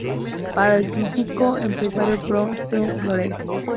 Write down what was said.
Para el crítico especializado Paul Stump, Mr.